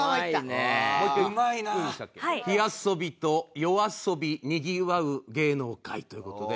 「火遊びとＹＯＡＳＯＢＩ賑わう芸能界」という事で。